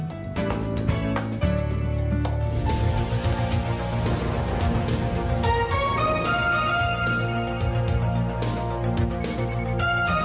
โปรดติดตามตอนต่อไป